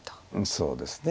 そうですね。